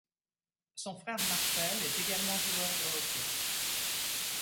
Son frère Marcel est également joueur de hockey.